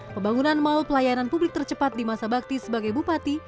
pembangunan mal pelayanan publik tercepat di masa bakti sebagai bupati